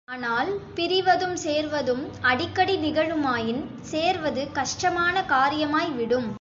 ஆனால், பிரிவதும் சேர்வதும் அடிக்கடி நிகழுமாயின் சேர்வது கஷ்டமான காரியமாய்விடும்.